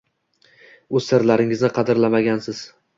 o‘z sirlaringizni qadrlaganmisiz